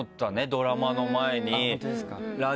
ドラマの前に。